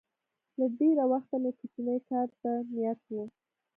له ډېره وخته مې کوچني کار ته نیت و